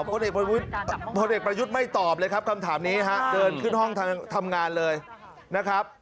พลเอกประยุทธ์ไม่ตอบเลยครับคำถามนี้ฮะเดินขึ้นห้องทำงานเลยนะครับ